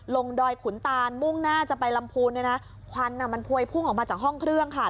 ดอยขุนตานมุ่งหน้าจะไปลำพูนเนี่ยนะควันมันพวยพุ่งออกมาจากห้องเครื่องค่ะ